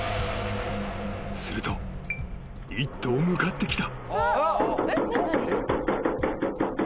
［すると１頭向かってきた］